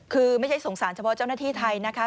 คือไม่ใช่สงสารเฉพาะเจ้าหน้าที่ไทยนะคะ